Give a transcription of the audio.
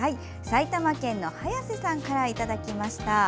埼玉県の早瀬さんからいただきました。